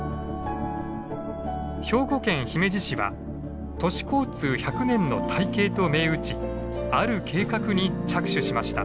兵庫県姫路市は「都市交通百年の大計」と銘打ちある計画に着手しました。